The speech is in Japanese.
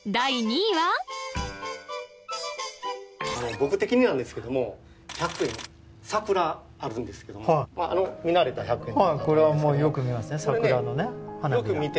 僕的になんですけども１００円桜あるんですけども見慣れた１００円はい